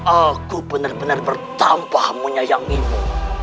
aku benar benar bertambah menyayangimu